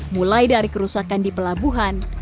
mulai dari kerusakan di pelabuhan